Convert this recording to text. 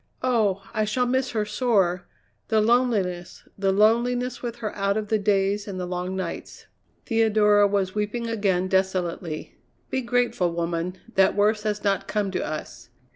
Oh! I shall miss her sore. The loneliness, the loneliness with her out of the days and the long nights." Theodora was weeping again desolately. "Be grateful, woman, that worse has not come to us."